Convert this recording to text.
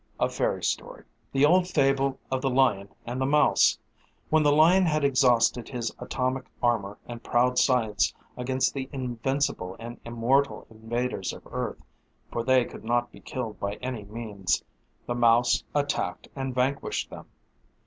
A fairy story. The old fable of the lion and the mouse. When the lion had exhausted his atomic armor and proud science against the invincible and immortal invaders of Earth for they could not be killed by any means the mouse attacked and vanquished them.